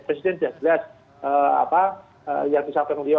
presiden jelas jelas yang bisa kami lihau